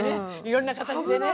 いろんな形でね。